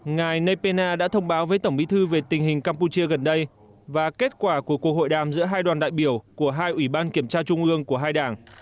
ngài nepena đã thông báo với tổng bí thư về tình hình campuchia gần đây và kết quả của cuộc hội đàm giữa hai đoàn đại biểu của hai ủy ban kiểm tra trung ương của hai đảng